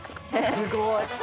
すごい！